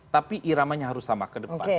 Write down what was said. tapi iramanya harus sama ke depan